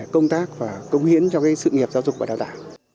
công tác và công hiến cho sự nghiệp giáo dục và đào tạo